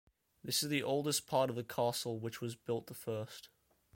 This is the oldest part of the castle, which was built the first.